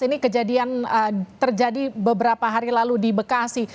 ini kejadian terjadi beberapa hari lalu di bekasi